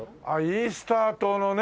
イースター島のね。